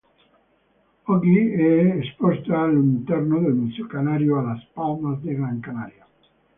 Oggi è esposta all'interno del Museo Canario a Las Palmas de Gran Canaria.